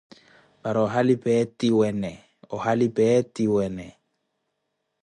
Para ohali peetiwene, ohali peetiwene!